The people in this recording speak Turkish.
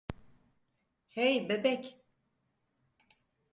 Hey, bebek.